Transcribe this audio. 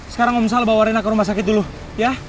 sekarang amsal bawa rena ke rumah sakit dulu ya